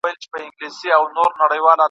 دولت د ټولني د نظم ساتونکی دی.